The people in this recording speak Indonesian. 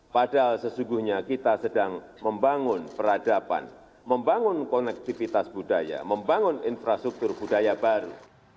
padahal sesungguhnya kita sedang membangun peradaban membangun konektivitas budaya membangun infrastruktur budaya baru